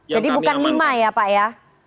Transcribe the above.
jadi bukan lima ya pak ya